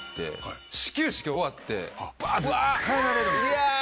いや。